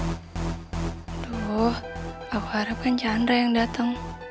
aduh aku harap kan chandra yang datang